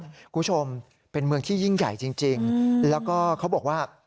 คุณผู้ชมเป็นเมืองที่ยิ่งใหญ่จริงแล้วก็เขาบอกว่า